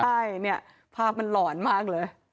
ใช่เนี่ยภาพมันหลอนมากเลย